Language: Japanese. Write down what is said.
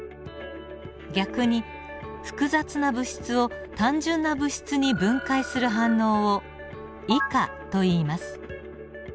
逆に複雑な物質を単純な物質に分解する反応を異化といいます。